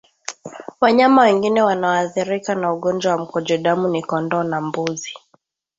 Wanyama wengine wanaoathirika na ugonjwa wa mkojo damu ni kondoo na mbuzi